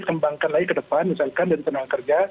dikembangkan lagi ke depan misalkan dari penolong kerja